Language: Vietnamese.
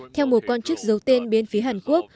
theo một quan chức giấu tên biến phí hàn quốc